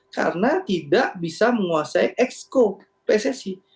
karena tidak bisa menguasai esko pssi